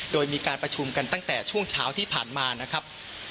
โดยมีการประชุมกันตั้งแต่ช่วงเช้าที่ผ่านมานะครับ